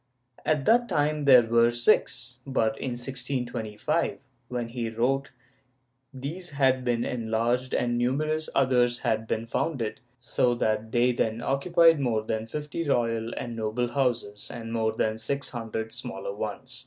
At that time there were six, but in 1625, when he wrote, these had been enlarged and numerous others had been founded, so that they then occupied more than fifty royal and noble houses and more than six hundred smaller ones.